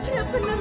diam diam diam